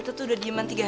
bakal jadi malun ini ya